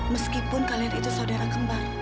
meskipun kalian itu saudara kembar